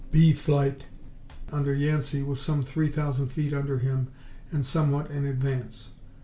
B Flight, under Yancey, was some three thousand feet under him and somewhat in advance.